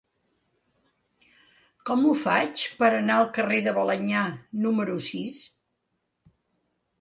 Com ho faig per anar al carrer de Balenyà número sis?